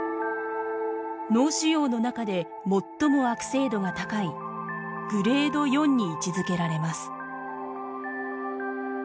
脳腫瘍の中で最も悪性度が高いグレード４に位置づけられます。